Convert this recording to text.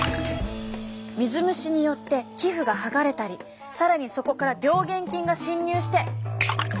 水虫によって皮膚が剥がれたり更にそこから病原菌が侵入して。